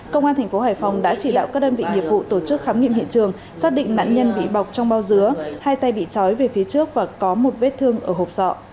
công an thành phố hải phòng đã chỉ đạo các đơn vị nghiệp vụ tổ chức khám nghiệm hiện trường xác định nạn nhân bị bọc trong bao dứa hai tay bị trói về phía trước và có một vết thương ở hộp sọ